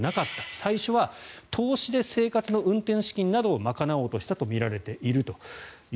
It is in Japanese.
最初は投資で生活の運転資金などを賄おうとしたとみられていると。